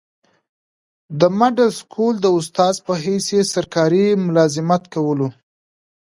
دمډل سکول د استاذ پۀ حيث ئي سرکاري ملازمت کولو